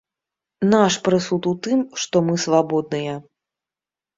Наш прысуд у тым, што мы свабодныя.